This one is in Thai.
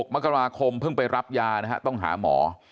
มกราคมเพิ่งไปรับยานะฮะต้องหาหมอ